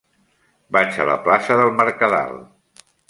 Vaig a la plaça del Mercadal.